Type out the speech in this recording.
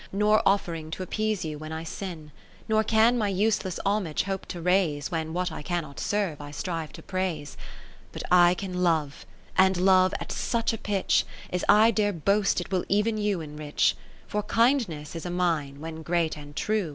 Nor offering to appease you when I sin ; 20 Nor can my useless homage hope to raise, ^\Tien what I cannot serve, I strive to praise : But I can love, and love at such a pitch, As I dare boast it will ev'n you enrich ; For kindness is a mine, when great and true.